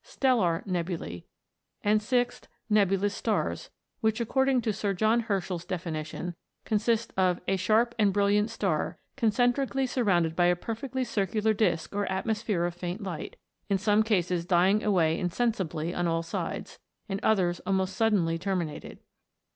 Stellar nebulas ; and, 6th. Nebulous stars, which, according to Sir John Herschel's definition, consist of " a sharp and brilliant star, concentrically surrounded by a perfectly circular disk or atmosphere of faint light, in some cases dying away insensibly on all sides, in others almost suddenly terminated."